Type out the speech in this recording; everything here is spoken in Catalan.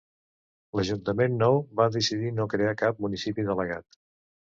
L'ajuntament nou va decidir no crear cap municipi delegat.